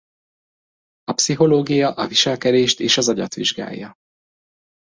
A pszichológia a viselkedést és az agyat vizsgálja.